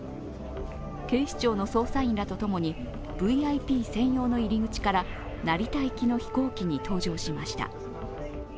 警視庁の捜査員らと共にＶＩＰ専用の入り口から成田行きの飛行機に搭乗しました。